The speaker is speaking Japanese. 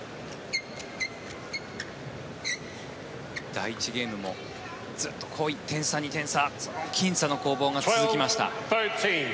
第１ゲームもずっと１点差、２点差そのきん差の攻防が続きました。